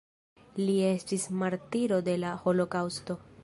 Li estis martiro de la holokaŭsto.